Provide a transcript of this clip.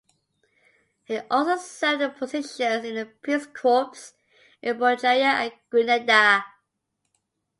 He also served in positions in the Peace Corps in Bulgaria and Grenada.